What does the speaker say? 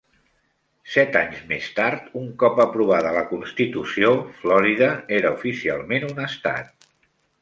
Set anys més tard, un cop aprovada la constitució, Florida era oficialment un estat.